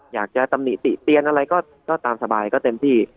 อยากจะตำนิตติเตียนอะไรก็ตามสบายเต็มที่